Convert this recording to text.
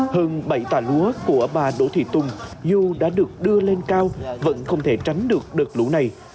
hơn bảy tạ lúa của bà đỗ thị tùng dù đã được đưa lên cao vẫn không thể tránh được đợt lũ này